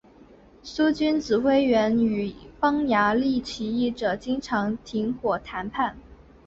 苏军指挥员与匈牙利起义者经常停火谈判。